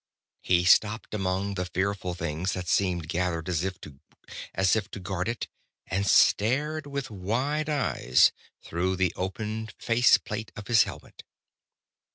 He stopped among the fearful things that seemed gathered as if to guard it, and stared with wide eyes through the opened face plate of his helmet.